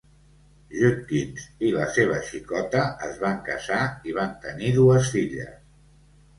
Judkins i la seva xicota es van casar i van tenir dues filles.